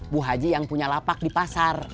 bu haji yang punya lapak di pasar